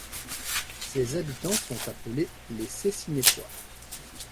Ses habitants sont appelés les Seyssinettois.